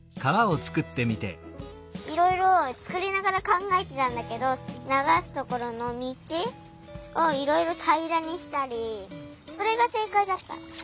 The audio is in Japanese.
いろいろつくりながらかんがえてたんだけどながすところのみちをいろいろたいらにしたりそれがせいかいだった。